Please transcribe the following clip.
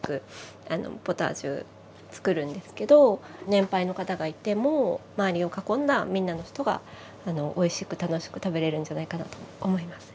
年配の方がいても周りを囲んだみんなの人がおいしく楽しく食べれるんじゃないかなと思います。